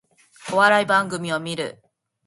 お笑い番組を観る